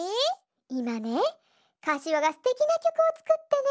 いまねかしわがすてきなきょくをつくってね。